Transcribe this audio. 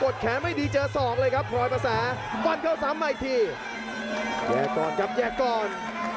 แขนไม่ดีเจอศอกเลยครับพลอยประแสบั้นเข้าซ้ำมาอีกทีแยกก่อนครับแยกก่อน